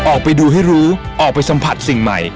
ออกไปดูให้รู้ออกไปสัมผัสสิ่งใหม่